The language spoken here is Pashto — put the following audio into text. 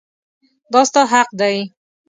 دا ستا حق دی.